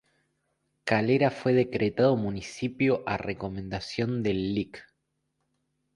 Calera fue decretado municipio a recomendación del Lic.